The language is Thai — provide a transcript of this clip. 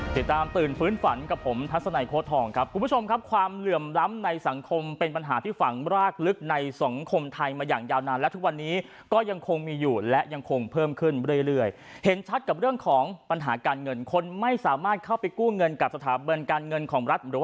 ตื่นฟื้นฝันกับผมทัศนัยโค้ดทองครับคุณผู้ชมครับความเหลื่อมล้ำในสังคมเป็นปัญหาที่ฝังรากลึกในสังคมไทยมาอย่างยาวนานและทุกวันนี้ก็ยังคงมีอยู่และยังคงเพิ่มขึ้นเรื่อยเห็นชัดกับเรื่องของปัญหาการเงินคนไม่สามารถเข้าไปกู้เงินกับสถาบันการเงินของรัฐหรือ